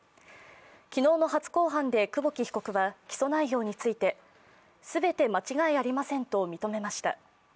昨日の初公判で久保木被告は、起訴内容について全て間違いありませんと認めました。